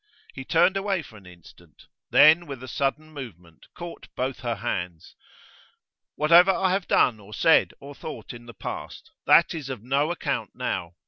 He turned away for an instant, then with a sudden movement caught both her hands. 'Whatever I have done or said or thought in the past, that is of no account now.